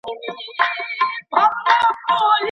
ولي زیارکښ کس د وړ کس په پرتله خنډونه ماتوي؟